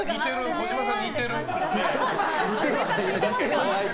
児嶋さんに似てる。